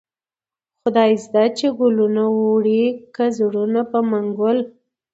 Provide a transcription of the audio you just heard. خداى زده چې گلونه وړې كه زړونه په منگل